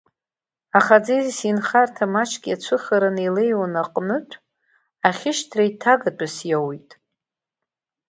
Аха аӡиас инхарҭа маҷк иацәыхараны илеиуан аҟнытә, ахьышьҭра еиҭагатәыс иоуит.